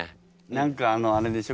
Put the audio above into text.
何かあのあれでしょ